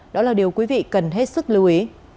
đó là điều quý vị cần hết sức lưu ý